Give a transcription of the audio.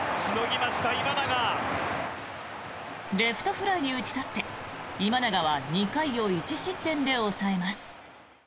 レフトフライに打ち取って今永は２回を１失点で抑えます。